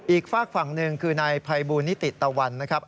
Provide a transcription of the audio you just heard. ฝากฝั่งหนึ่งคือนายภัยบูลนิติตะวันนะครับ